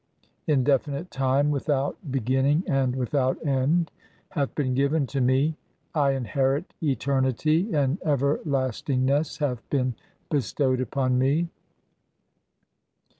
Indefinite time, without beginning "and without end, hath been given to me ; I inherit eternity, and "everlastingness hath been bestowed upon me."